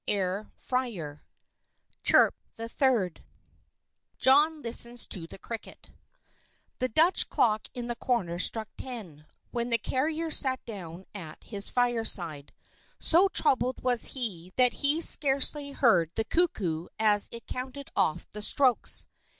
XXXVI CHIRP THE THIRD John Listens to the Cricket THE Dutch clock in the corner struck ten, when the carrier sat down at his fireside. So troubled was he that he scarcely heard the cuckoo as it counted off the strokes.